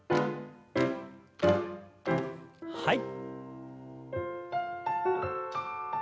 はい。